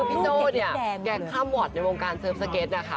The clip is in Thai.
พี่โจ๊ะเนี่ยแก่คร่ำวัดในวงการเซิร์ฟสเก็ตต่างนะคะ